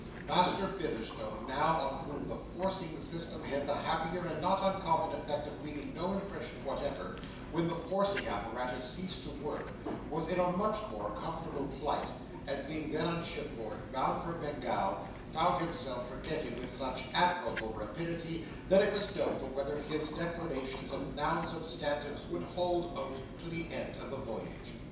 Master Bitherstone now, on whom the forcing system had the happier and not uncommon effect of leaving no impression whatever, when the forcing apparatus ceased to work, was in a much more comfortable plight; and being then on shipboard, bound for Bengal, found himself forgetting, with such admirable rapidity, that it was doubtful whether his declensions of noun substantives would hold out to the end of the voyage.